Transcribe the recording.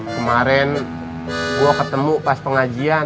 kemarin gue ketemu pas pengajian